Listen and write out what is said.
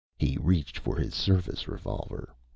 He reached for his service revolver.